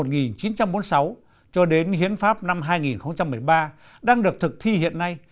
từ hiến pháp đầu tiên năm một nghìn chín trăm bốn mươi sáu cho đến hiến pháp năm hai nghìn một mươi ba đang được thực thi hiện nay